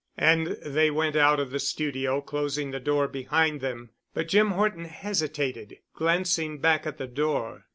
And they went out of the studio, closing the door behind them. But Jim Horton hesitated, glancing back at the door.